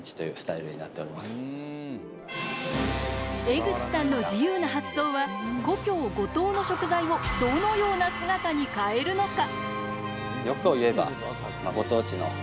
江口さんの自由な発想は故郷、五島の食材をどのような姿に変えるのか。